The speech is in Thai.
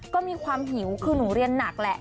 ก็มีความหิวคือหนูเรียนหนักแหละ